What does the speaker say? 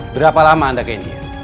berapa lama anda ke india